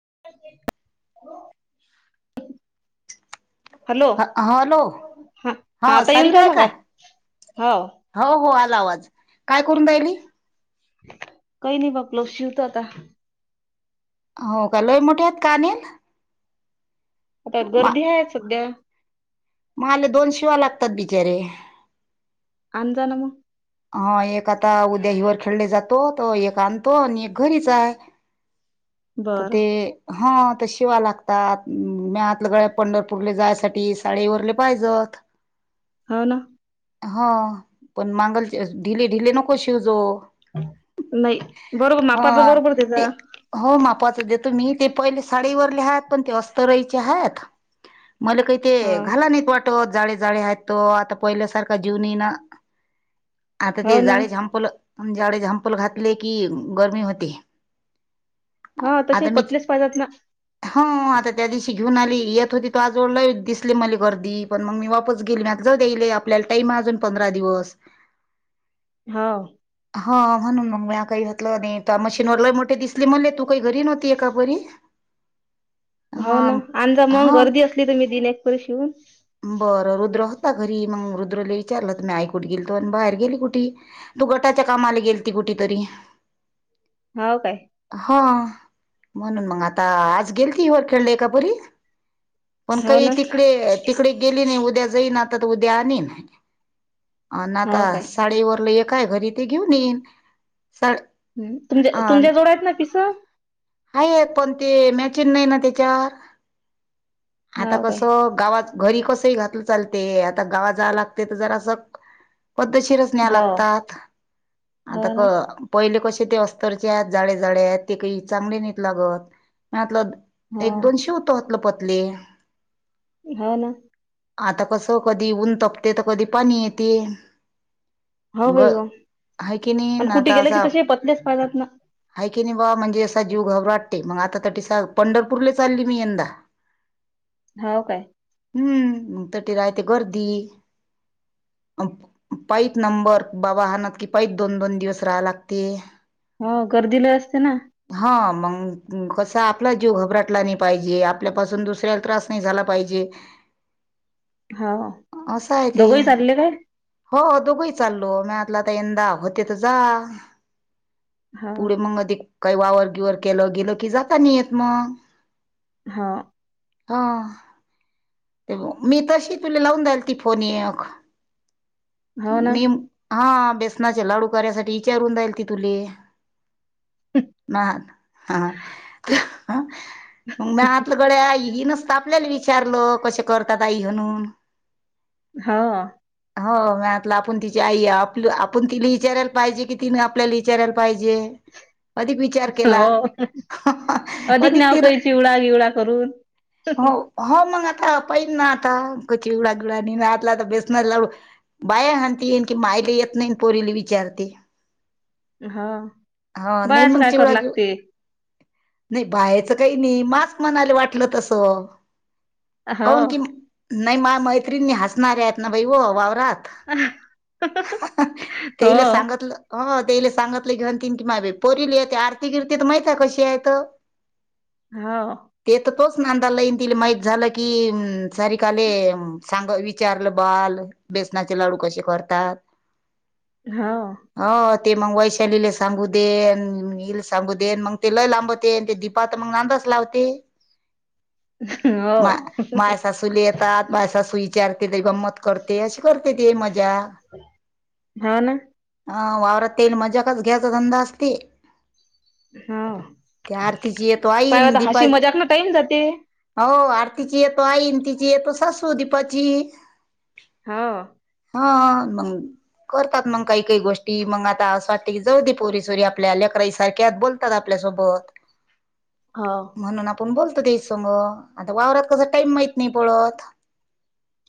[inaudible] ह हा हॅलो हा सारीका हाय काय हाव हो हो आला आवाज काय करून राहिली काही नाही बघलो शिवतो आता हो का लय मोठे आहेत का अनिल गर्दी हाय सध्या मगले दोन शिवा लागतात बिचारे अन जा ना म. हा एक आता उद्या हिवर खेळले जातो तर एक आणतो आणि एक घरीच आहे तर बरं ते हा ता शिवा लागतात म आतल्या गळ्या पंढरपूरले जायसाठी साडेवरले पाहिजत [inaudible] हा ना ह पण मांगलचे ढिले ढिले नको शिवजो नाही बरोबर हा मापाचा बरोबर ते त्याचा हो मा तुम्ही ते पहिले साडीवरले आहात पण ते अस्तरायचे आहात मला काही ते हा घाला नाहीत वाटत जाळे जाळे आहेत तो आता पहिल्यासारखा जीव नई ना आता हो ते ना जाळे झांपलं म्हणजे जाडी झांपल घातले की गरमी होते हा तसे आता मी पतलेच पाहिजेत ना हम आता त्या दिवशी घेऊन आली येत होती तू आज वडला दिसले मली गर्दी पण मग मी वापस गेली म जाऊईले आपल्याला टईम अजून पंधरा दिवस हाव [inaudible] हा म्हणून मग म काही घातलं आणि मशीनवरला मोठ दिसली म ही घरी नव्हती एकापरी हो ना अजा मग गर्दी असली तुम्ही दिन एकपरी शिवून बरं रुद्र रुद्र होता घरी मग रुद्रला विचारलंत मी आई कुठे गेलो आणि बाहेर गेली कुठे तू गटाच्या कामाला गेल ती कुठ कुठं तरी हाव काय हा म्हणून मग आता आज गेल ती वर खेळली एकापुरी पण हो काही ना तिकडे तिकडे नाही उद्या जाई उद्या आणि हाव आ काय साडीवर काय घरी ते घेऊन येईन साड ह तुम अ तुमच्या जवळ आहेत ना पिस आहे पण ते मॅचिन नाही ना त्याच्यावर आता हाव काय कसं गावा घरी कसही घातलं चालते आता गावा जाला तिथं जर असं पद्धतशीरच न्यायला हो लागतात हो ना पहिलं कशी श ते अस्तरचे आहेत जाडे जाड आहेत ते काही चांगले नेत लागतलं हो एक दोनशे होत होतलं पतले हा ना आता कसं कधी ऊन तपते तर कधी पाणी येते हो ग भाई हो हाय की नाही पण ना कुठे गेलं की तसे पतलेच पाहितात ना ह की नाही बा म्हणजे असा जीव घबराटते मग आता ति पंढरपूरले चालली मी यंदा [inaudible] हाव काय हम्म म त ते राहते गर्दी पाईत नंबर बाबा हानात की पाईत दोन दोन दिवस राहा लागते हो गर्दी लय असते ना हा मग कसा आपला जीव घबराटला नाही पाहिजे आपल्यापासून दुसऱ्याला त्रास नाही झाला पाहिजे हो [inaudible] असं आहे ते दोघंही चालले काय हो दोघंही चाललो म तर यंदा होते तर जा हो पुढे मग अध काही वावरगिवर केलं गेल की जाता नि येत मग हा हा ते मी तशी तुला लावून द्यायल ती फोन एक हो ना मी हा बेसनाचे लाडू करायसाठी विचारून राहिले तुले ना ह मग म आतलं गळ हनच आपल्याला विचारलं कसं करतात आई म्हणून हो हो मतलं आपण तिची आई आप आपुन तिली विच्यारायला पाइजी कि तिन आपल्याला विच्यारायला पाहिजे [unintelligible] हो अधिक नाव काही चिवडा गिवडा करून [unintelligible] हो हा मग आता पहिन ना आता क चवडा गिडाणी ना आतला आता बेसणार ला बाया [unintelligible] की मायेरी येत नाई पोरीला विचारते हा हा नाही बऱ्याच काय करू लागते नाइ [unintelligible] काइ नाइ [unintelligible] वाटलं तस हो काउन की नाही मा मैत्रीिणीनी हसणारे आहेत ना भाई हो वावररा हो तेला ला सांगतलं अ ले सांगितले घेणतीन की माे पोरली आरती गिरती तर माहितय कशी आहे त हो ते तर तोच ना अंदा लाईन दिली माहिती झालं की एम सारी काले सांग विचारलं बाल बेसनाचे लाडू कशे कर तात हो हो ते मग वैशालीला सांगू देन हल सांगू देन मग ते लय लांबते आणि ते दीपाात मग नांदच लावते हो मा मायसाासली येतात मायसाासई गंमत करते अशी करते ते मजा हो ना ह वावरात तेल मजाकच घ्यायचा धंदा असते त्या आरतीची येतो आईन हम्म दीपा हशी मजाक ते टाईम जाते हो आरतीची येतो आई येत सासू दिपाची हो हा मंग करतात मंग काइ काइ गोष्टी मग आता असं वाटते की जऊ दे पोरीसोरी आपल्या लेकराईसरतात बोलत तर आपल्यासोबत हो म्हणून आपण बोलतो ते सग आता वावरात कसा टाइम माहत नाही पळत [unintelligible]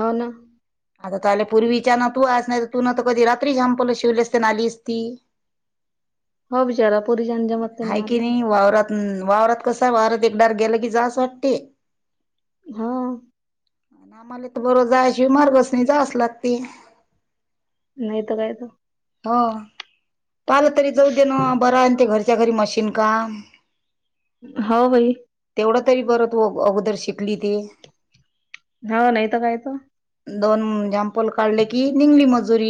[unintelligible] आता तले पूर्वीच्या ना तू नाही तू न तर कधी रात्री झांपलं शिवलस्न आलीच ती हो बिचाऱ्यात हाय की नाइ वावरात वावरात कस आहे वावरात एकबार गेलं की जावास वाटते हम्म आम्हाला तर बरो जाशि मार्गस नाही जा अस लागते नाहीत कायत हो पालं तरी जाऊ दे ना बरा आहे ते घर का हो बाई तेव त बद श बगली ते हा नाही तर काय त दोन जमपल काढले कि निंगली मजुरी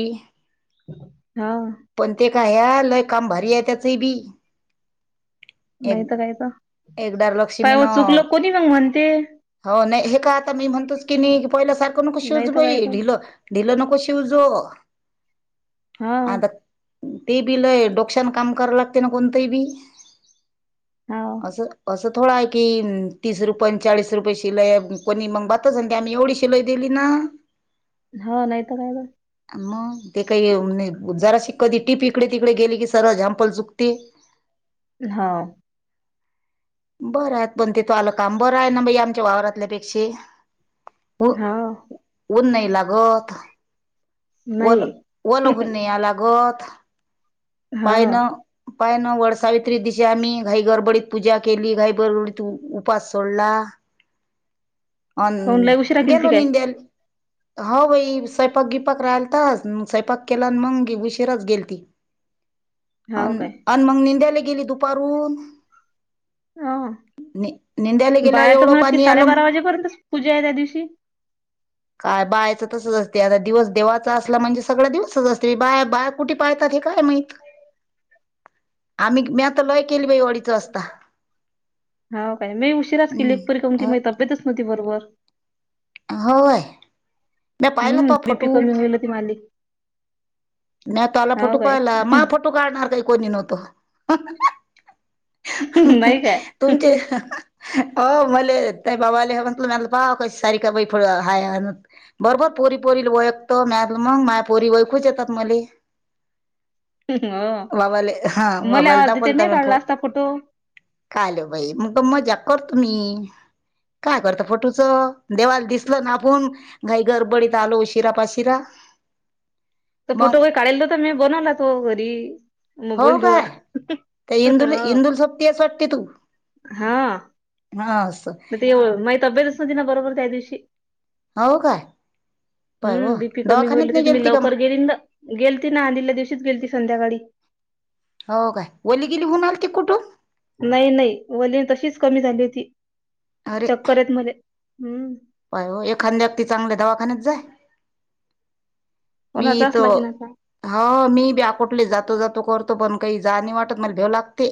हो पण ते काय या लय काम भारी आहे त्याचबी एक नाही तर काय तर एकदा पाय लक्षीमीन हो चुकलं कोणी मग म्हणते हो नाइ हे का आता मी म्हणतेच की नाइ पहिल्या सारखं नको नाही शूज तर प काय तर ढिलं ढीलं नको शिवजो हा आता ते बि लय डोकशान काम कराव लागतय ना कोणतंही बी हा असं असं थोडा आहे की तीस रुपये चाळीस रुपये शिलाई कोणी मग बातच आम्ही एवढी शिलाई दिली ना [unintelligible] हा नाही तर काय तर मग ते काइ अ जरास शिकवती टीप इकडे तिकडे गेली की सरव झम्पल चुक - - हा बरं आहत पण तेथ आलं काम बरं आहे ना बाई आमच्या वावरातल्यापेक्षा उ हो ऊन नाही लागत नाही वल वलहुन न या लागत हो पायन उपाय न वड सावित्री दिशी आम्ही घाई गरबडीत पूजा केली घाई गरबडीत उपास सोडला अन काऊन लय उशिरा केलती गेलो काय निंदेल हो भाई स्वयपाक गिपाक राहिलताच स्वयपाक केला मग उशीराच गेल ती हो अन् काय आन् मग निंद्याला गेली दुपारून हा नि निंद्याला गेल्यावर बाहेर तर एवढं म्हणत कि पाणी आलं म- साडेबारा वाजेपर्यंतच पूजा आहे त्या दिवशी काय बायचं तसच असते आता दिवस देवाचा असला म्हणजे सगळा दिवसच अस तु बा बाया कुठे पाळतात हे काय माहित आम्ही मी आता लय केली बा डीच असता हो काय मी उशीराच केली एकपरी काऊन की माझी अ- तब्येतच नव्हती बरोबर होय म्या पाहिला हम्म तो बी पी फोटो कर लिून गेल ती मालिक नाही तोला फोटो पाहिला मा फोटो काढणार काही कोणी नव्हतो नाही [unintelligible] काय तुमचे [unintelligible] अ मले त बाबाले म्हटलं मलं पा कसे - सारीका बाई फुड हाय हाय बई बरोबर पोरी पोरी वळकत मग [unintelligible] पोरी वळकूच येतात मले हो वावाले हा मला वावलता आवाज देते दाखोलता मी काढला फोन असता फोटो काले बाई मग मजाक करतो मी काय करता फोटोचं देवाल दिसल नापून घाई गरबडीत आलो उशिरा पाशिरा त फोटो मग का काढाल नव्हतं मी बनवला होता तो घरी मोबाईल हो काय वर त्या [unintelligible] इंदुल इंदुल सोबतीस वाटते तू हा हा हा असं म ते माइ तब्येतच नव्हती ना बरोबर त्या दिवशी हो काय पाय व हम् बीपी कमी होईल दवाखान्यात नाही तीत मी गेलती का मग लवकर गेली न गेलती ना आधल्या दिवशीच गेल ती संध्याकाळी हो काय ओली गेली होन आल ती कुठुन नाही नाही वली तशीच कमी झाली होती अरे चक्कर येत मले हम्म पाय हो एखाद्या ती चांगल्या दवाखान्यात जाय हो मी ना इथ जाच लागेन आता. ह मी ब्याकोठले जातो जातो करतो तो पण काही जाणी वाटत मला भ्याव लई वाटतय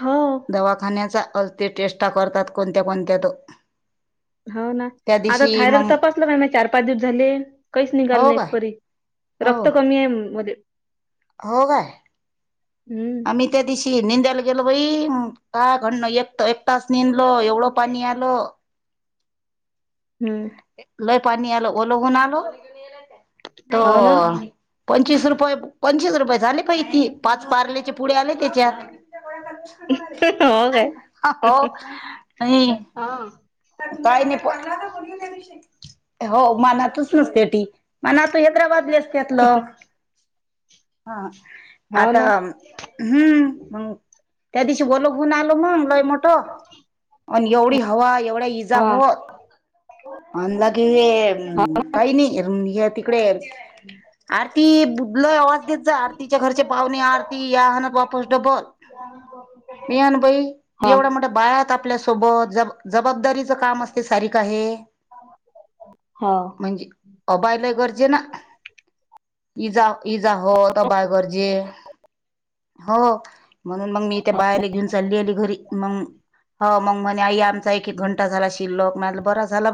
हो. दवाखान्याचा अल्ती टेष्टा करतात कोणत्या कोणत्यात हो ना आता थायरड तपासलंहि मा चार पाच दिवस झाले काहीच निघाल हो ना एक काय परी हो रक्त कमी आहे मध्ये हो काय हं. आम्ही त्या दिशीे निंद्याला गेलं बाई काय घडण एक त एक तास नेदल एवढं पाणी आलं हं. लय पाणी आलो ओलोघणा आलो त हो ना. पंचवीस रुपये पंचवीस रुपये झाले पाहि त पाच पारल्याचे पुढ आले त्याच्यात हो काय? हो नाही हां. का नाही हो मनातच नसतेी मण तू हैदराबादले असतेतलं हा हो आता ना. हम् मंग त्या दिवशी बल होऊन आलो मंग लय मोठ आणि एवढी हवा एवढी इजा हां. हो नला कि हां. काही नाही तिकडे आरती बुला आवाज देत जा आरतीच्या घरचे पाहुणे आरती या हहनात वापस डबल ह मी अन भाई एवढा म्हठ बाळत आपल्यासोबत ज जबाबदारीचं काम असतय सारीका हे हो [unintelligible] [unintelligible] म्हणून मग मी इथे बाहेर घेऊन चालली आली घरी मग ह मग म्हणे आई आम ं शक ब झाला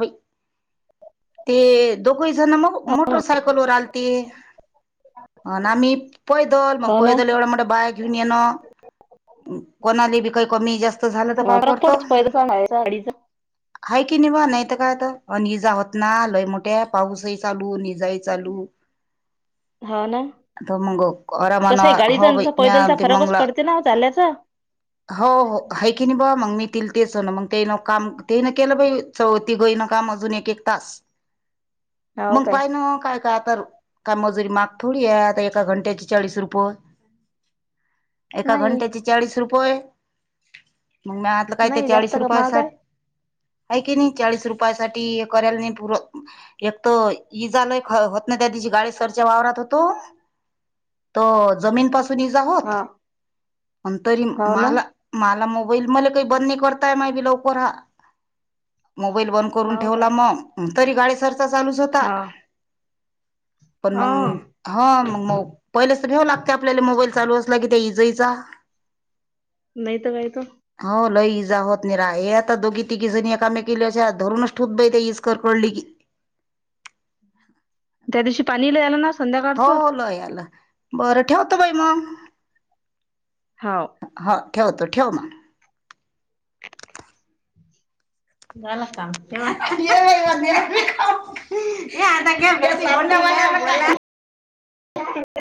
जणग हो. मोटरसायकल वर आलते ह आम्ही पैदल मग हो ना. पैदल एवढं मोठं बाय घेऊन येणं कोणाली बी काही कमी जास्त झालं तर काय फरक करतो पडतो पैदलचा आणि गाडीचा आहे कि नाही बा नाहीत काय तर काय आता आणि इजा होता नालय मोठ्या पाऊसही चालू अन ईजाही चालू हा ना त मग आरामान तसही हो गाडीचा आणि बै तसा मी आ पैदलचा ते फरकच मंगला पडते ना चालल्याचा हो हो हाय किणी बुवा मंग मि तेच ना मग ते काम तीन केलं बै चौती ग ना काम अजून एक एक तास हो मंग [unintelligible] काय पाय काय काय तर काय मजुरी माग थोडी आहे आता एका घंट्याची चाळीस रुपये एका नाही घंट्याची चाळीस रुपय मग आतलं काय ते नाही जास्त चाळीस का रुपया महाग सा आहे ऐ कि नाही चाळीस रुपया साठी कयला नाही पूर एक तर इजा लई एक होत ना त्या दिशी गाडी सरच्या वावरात होतो तो जमीन पासून इजा होत हा पण तरी हो ना माला माला मोबाईल मधला काही बंद नाही करताय माही पुरा मोबाईल बंद करून हो ठेवला काय मग तरी गाडीसरचा चालूच होता हा [inaudible] पण हा मंग ह मग म पहिले तर भेऊ लागते आपल्याला मोबाईल चालू असला की ते इज जा नाही तर काय त जा होत निर्हायत दोघी तिघी जणी एकामेकिला शा धरूनच ठोत बइ इज कडकडली कि [inaudible] शी पाणी लि्यायला ना हो संध्याकाळचं ल याला बर ठेवतो बाई मग हाव हा ठेवतो ठेव मग झालं काम ठेवा [inaudible] आता बस [inaudible] [inaudible]